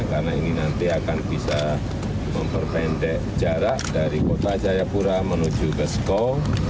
karena ini nanti akan bisa memperpendek jarak dari kota jayapura menuju ke skog